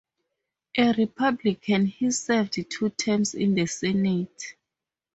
A Republican, he served two terms in the Senate.